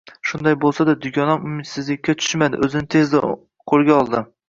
Shunday boʻlsa-da, dugonam umidsizlikka tushmadi, oʻzini tezda qoʻlga oldi